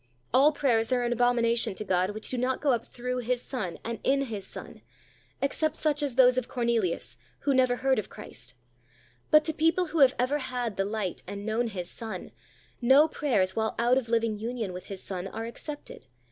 All prayers are an abomination to God which do not go up to Him through His Son, and in His Son, except such as those of Cornelius, who never heard of Christ; but to people who have ever had the light and known His Son, no prayers while out of living union with His Son are accepted.